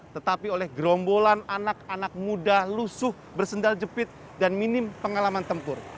tetapi oleh gerombolan anak anak muda lusuh bersendal jepit dan minim pengalaman tempur